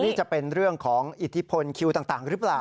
นี่จะเป็นเรื่องของอิทธิพลคิวต่างหรือเปล่า